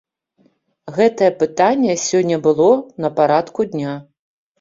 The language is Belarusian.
Гэтае пытанне сёння было на парадку дня.